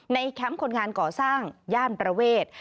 แคมป์คนงานก่อสร้างย่านประเวท